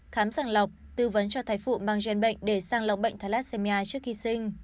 khám sàng lọc tư vấn cho thái phụ mang gen bệnh để sàng lọc bệnh thalassemia trước khi sinh